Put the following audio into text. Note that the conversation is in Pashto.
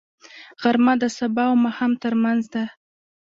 غرمه د سبا او ماښام ترمنځ دی